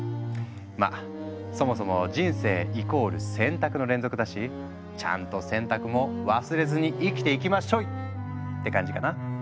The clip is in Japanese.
まあそもそも人生イコール選択の連続だしちゃんと選択も忘れずに生きていきまっしょい！って感じかな。